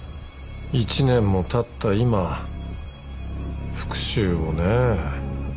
１年もたった今復讐をねえ。